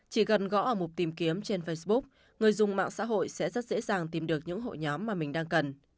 chỉ cần gõ ở mục tìm kiếm trên facebook người dùng mạng xã hội sẽ rất dễ dàng tìm được những hội nhóm mà mình đang cần